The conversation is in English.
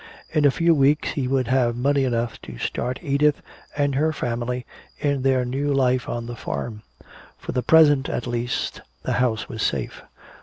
In a few weeks he would have money enough to start Edith and her family in their new life on the farm. For the present at least, the house was safe.